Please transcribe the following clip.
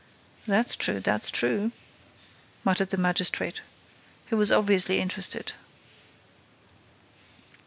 "That's true—that's true," muttered the magistrate, who was obviously interested.